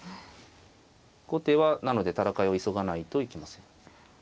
後手はなので戦いを急がないといけません。